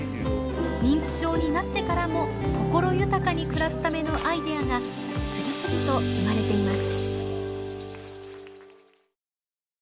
認知症になってからも心豊かに暮らすためのアイデアが次々と生まれています。